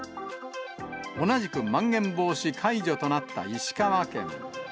同じくまん延防止解除となった石川県。